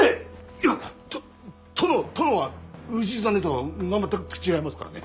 いやと殿殿は氏真とは全く違いますからね。